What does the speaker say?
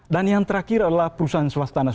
yang terakhir adalah perusahaan swasta